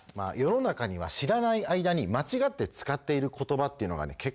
世の中には知らない間に間違って使っている言葉っていうのがね